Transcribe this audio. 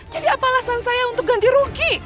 jadi apa alasan saya untuk ganti rugi